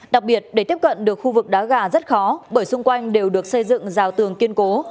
đặc biệt để tiếp cận được khu vực đá gà rất khó bởi xung quanh đều được xây dựng rào tường kiên cố